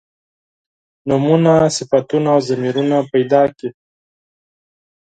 نومونه صفتونه او ضمیرونه پیدا کړي.